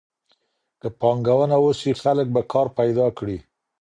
که پانګونه وسي خلګ به کار پیدا کړي.